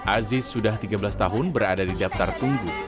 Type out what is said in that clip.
aziz sudah tiga belas tahun berada di daftar tunggu